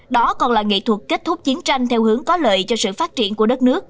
đó còn là nghệ thuật kết thúc chiến tranh theo hướng có lợi cho sự phát triển của đất nước